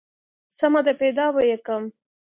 سمه ده پيدا به يې کم.